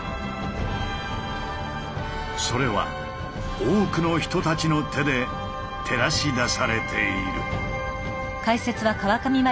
それは多くの人たちの手で照らし出されている。